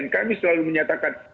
kami selalu menyatakan